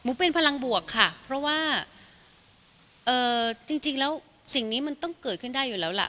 เป็นพลังบวกค่ะเพราะว่าจริงแล้วสิ่งนี้มันต้องเกิดขึ้นได้อยู่แล้วล่ะ